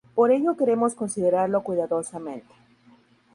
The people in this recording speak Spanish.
Por ello queremos considerarlo cuidadosamente.